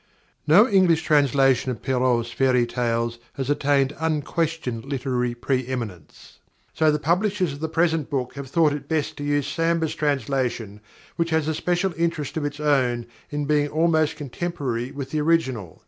_ _No English translation of Perrault's fairy tales has attained unquestioned literary pre eminence. So the publishers of the present book have thought it best to use Samber's translation, which has a special interest of its own in being almost contemporary with the original.